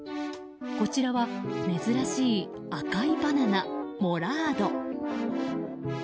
こちらは珍しい赤いバナナ、モラード。